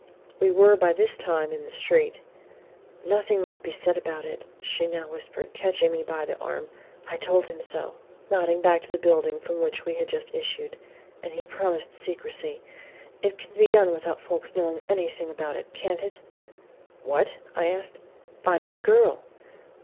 We were by this time in the street. "Nothing must be said about it," she now whispered, catching me by the arm. "I told him so," nodding back to the building from which we had just issued, "and he promised secrecy. It can be done without folks knowing anything about it, can't it?" "What?" I asked. "Finding the girl."